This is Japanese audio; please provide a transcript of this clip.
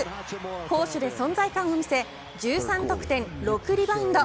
攻守で存在感を見せ１３得点を６リバウンド。